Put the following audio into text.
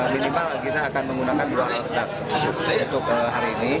minimal kita akan menggunakan dua alat berat untuk hari ini